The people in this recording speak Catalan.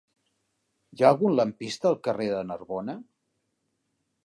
Hi ha algun lampista al carrer de Narbona?